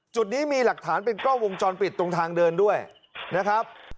จุดนี้มีหลักฐานเป็นกล้องวงจรปิดตรงทางเดินด้วยนะครับ